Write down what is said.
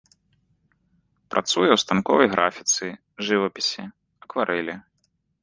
Працуе ў станковай графіцы, жывапісе, акварэлі.